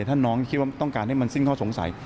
ถ้าน้องคิดว่าต้องการให้มันสิ้นข้อสงสัย